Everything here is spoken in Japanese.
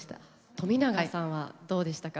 冨永さんはどうでしたか？